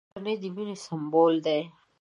کورنۍ د مینې سمبول دی!